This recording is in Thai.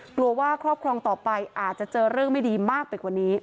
กลัวว่าครอบครองต่อไปอาจจะเจอเรื่องไม่ดีมากไปกว่านี้